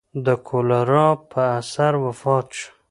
د کولرا په اثر وفات شو.